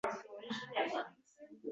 ko‘zimizga ko‘rinyaptimi? Yo‘q!